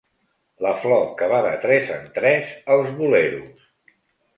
La flor que va de tres en tres als boleros.